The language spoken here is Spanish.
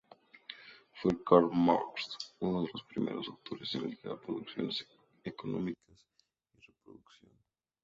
Fue Karl Marx uno de los primeros autores en ligar producción económica y reproducción.